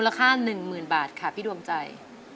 ค่า๑๐๐๐บาทค่ะพี่ดวงใจ